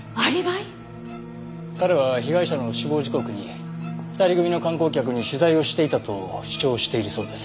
彼は被害者の死亡時刻に２人組の観光客に取材をしていたと主張しているそうです。